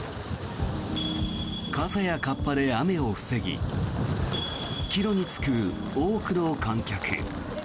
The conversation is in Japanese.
傘やかっぱで雨を防ぎ帰路に就く多くの観客。